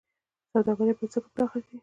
سوداګري باید څنګه پراخه شي؟